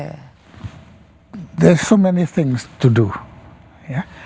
ada banyak hal yang harus dilakukan